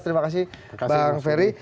terima kasih bang ferry